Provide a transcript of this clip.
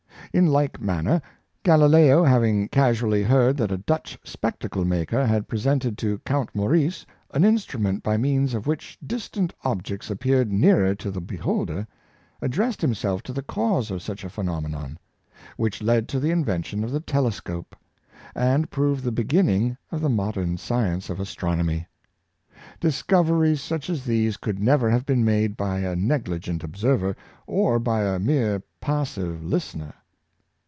In like manner, Galileo, having casually heard that a Dutch spectacle maker had presented to Count Maurice an instrument by means of which dis tant objects appeared nearer to the beholder, addressed himself to the cause of such a phenomenon, which led to the invention of the telescope, and proved the begin ning of the modern science of astronomy. Discoveries such as these could never have been made by a negli gent observer, or by a mere passive listener.